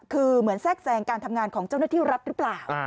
คือเหมือนแทรกแทรงการทำงานของเจ้าหน้าที่รัฐหรือเปล่า